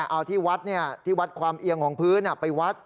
เอาที่วัดที่วัดความเอียงของพื้นไปวัด